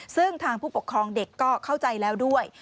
ซึ่งทางผู้ปกครองเด็กก็เข้าใจแล้วด้วย